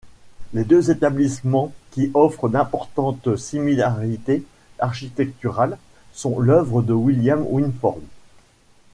Les deux établissements, qui offrent d'importantes similarités architecturales, sont l'œuvre de William Wynford.